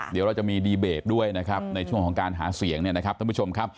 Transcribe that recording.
เดี๋ยวเราจะมีดีเบตด้วยนะครับในช่วงของการหาเสียงเนี่ยนะครับท่านผู้ชมครับ